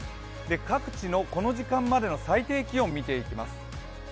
各地のこの時間までの最低気温見ていきます。